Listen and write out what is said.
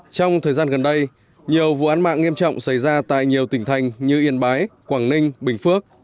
trong thời gian gần đây nhiều vụ án mạng nghiêm trọng xảy ra tại nhiều tỉnh thành như yên bái quảng ninh bình phước